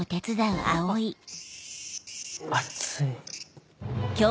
熱い。